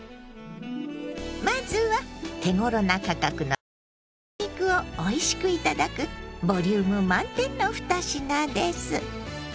まずは手ごろな価格の鶏むね肉をおいしく頂くボリューム満点の２品です。